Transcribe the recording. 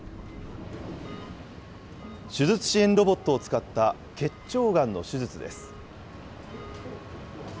手術支援ロボットを使った結腸がんの手術です。